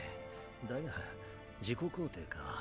だが自己肯定か。